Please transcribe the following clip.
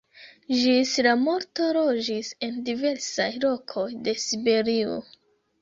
Ĝis la morto loĝis en diversaj lokoj de Siberio.